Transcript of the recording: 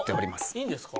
いいんですか？